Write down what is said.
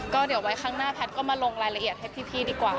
ก็เดี๋ยวไว้ข้างหน้าแพทย์ก็มาลงรายละเอียดให้พี่ดีกว่า